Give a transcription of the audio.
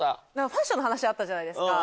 ファッションの話あったじゃないですか。